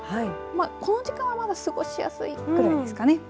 この時間はまだ過ごしやすいくらいですかね。